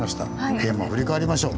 テーマを振り返りましょう。